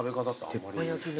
鉄板焼きね。